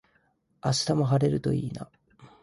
明日も晴れるといいな。